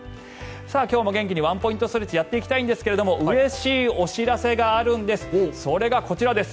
今日も元気にワンポイントストレッチやっていきたいんですがうれしいお知らせがあるんです。